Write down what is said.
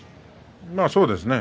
そうですね。